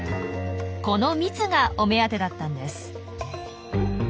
この蜜がお目当てだったんです。